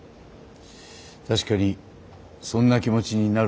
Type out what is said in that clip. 確かにそんな気持ちになる時もあります。